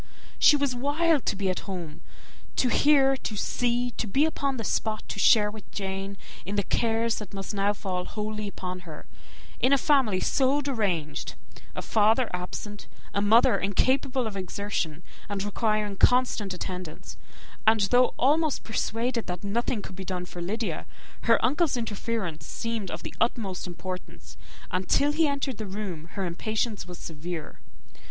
She was wild to be at home to hear, to see, to be upon the spot to share with Jane in the cares that must now fall wholly upon her, in a family so deranged; a father absent, a mother incapable of exertion, and requiring constant attendance; and though almost persuaded that nothing could be done for Lydia, her uncle's interference seemed of the utmost importance, and till he entered the room the misery of her impatience was severe.